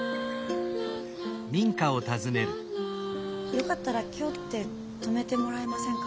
よかったら今日って泊めてもらえませんか？